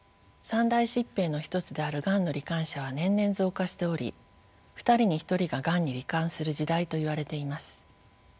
三大疾病の一つであるがんの罹患者は年々増加しており２人に１人ががんに罹患する時代といわれています。